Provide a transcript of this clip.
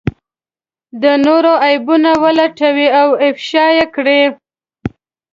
د نورو عيبونه ولټوي او افشا کړي.